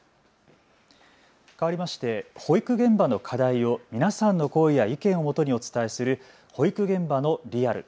かわりまして保育現場の課題を皆さんの声や意見をもとにお伝えする保育現場のリアル。